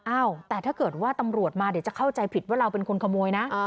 อ้าวแต่ถ้าเกิดว่าตำรวจมาเดี๋ยวจะเข้าใจผิดว่าเราเป็นคนขโมยนะ